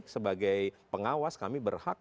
sebagai pengawas kami berhak